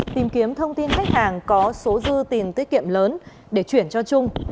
tìm kiếm thông tin khách hàng có số dư tiền tiết kiệm lớn để chuyển cho trung